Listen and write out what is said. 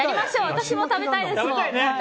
私も食べたいです。